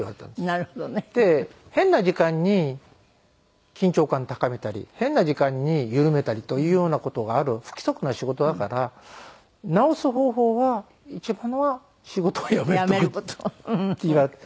なるほどね。で変な時間に緊張感高めたり変な時間に緩めたりというような事がある不規則な仕事だから治す方法は一番は仕事を辞めるという事って言われて。